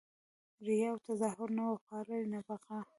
ریاء او تظاهر نه وفا لري نه بقاء!